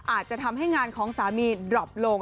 อาจจะทำให้งานของสามีดรอปลง